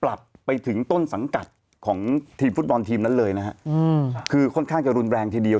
กลับไปถึงต้นสังกัดของทีมฟุตบอลทีมนั้นเลยนะฮะอืมคือค่อนข้างจะรุนแรงทีเดียว